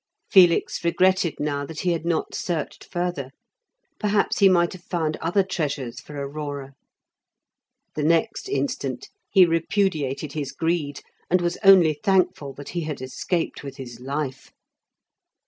Felix regretted now that he had not searched further; perhaps he might have found other treasures for Aurora; the next instant he repudiated his greed, and was only thankful that he had escaped with his life.